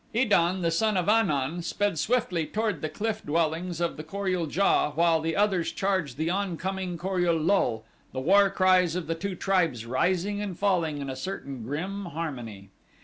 Id an, the son of An un, sped swiftly toward the cliff dwellings of the Kor ul JA while the others charged the oncoming Kor ul lul, the war cries of the two tribes rising and falling in a certain grim harmony.